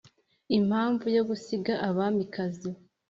impamvu yo gusiga abamikazi